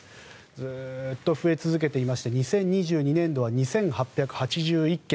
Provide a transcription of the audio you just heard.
ずっと増え続けていまして２０２２年度は２８８１件。